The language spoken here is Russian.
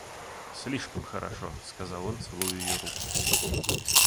Слишком хорошо, — сказал он, целуя ее руку.